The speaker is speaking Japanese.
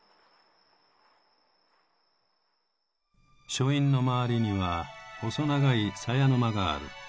書院の周りには細長い狭屋の間がある。